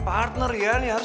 capek kan lu